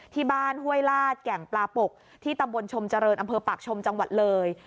ห้วยลาดแก่งปลาปกที่ตำบลชมเจริญอำเภอปากชมจังหวัดเลย